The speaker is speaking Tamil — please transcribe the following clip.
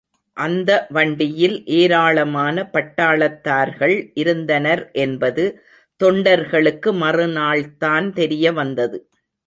அந்த வண்டியில் ஏராளமான பட்டாளத்தார்கள் இருந்தனர் என்பது தொண்டர்களுக்கு மறுநாள் தான் தெரியவந்தது.